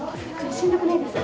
しんどくないですか？